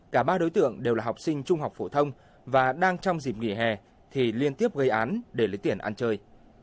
cả ba đối tượng đều là học sinh trung học phổ thông và đang trong dịp nghỉ hè thì liên tiếp gây án để lấy tiền ăn chơi